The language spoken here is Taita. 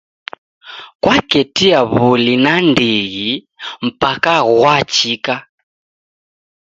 Kwaketia w'uli nandighi mpaka ghwachika.